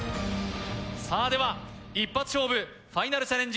さあでは一発勝負ファイナルチャレンジ